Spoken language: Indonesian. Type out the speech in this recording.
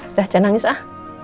udah jangan nangis ah